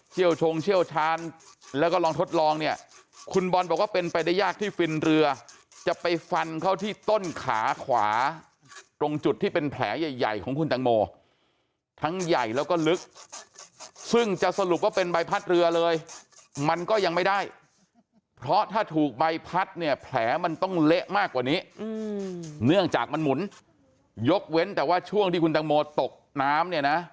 ชงเชี่ยวชาญแล้วก็ลองทดลองเนี่ยคุณบอลบอกว่าเป็นไปได้ยากที่ฟินเรือจะไปฟันเข้าที่ต้นขาขวาตรงจุดที่เป็นแผลใหญ่ของคุณตังโมทั้งใหญ่แล้วก็ลึกซึ่งจะสรุปว่าเป็นใบพัดเรือเลยมันก็ยังไม่ได้เพราะถ้าถูกใบพัดเนี่ยแผลมันต้องเละมากกว่านี้เนื่องจากมันหมุนยกเว้นแต่ว่าช่วงที่คุณตังโมตกน้ำเนี่ยนะ